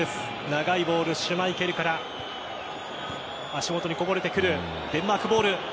長いボール、シュマイケルから足元にこぼれてくるデンマークボール。